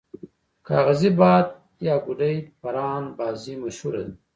کاغذی باد یا ګوډی پران بازی مشهوره ده.